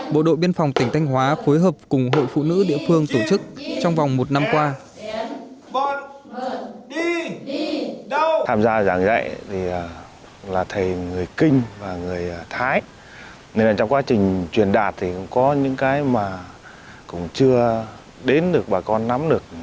bộ đội biên phòng tỉnh thanh hóa phối hợp cùng hội phụ nữ địa phương tổ chức trong vòng một năm qua